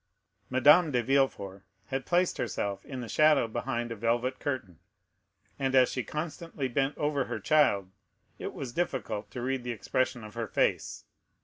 Madame de Villefort had placed herself in the shadow behind a velvet curtain, and as she constantly bent over her child, it was difficult to read the expression of her face.